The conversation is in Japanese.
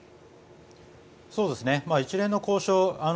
一連の交渉